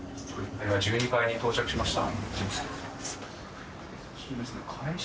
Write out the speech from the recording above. １２階に到着しました。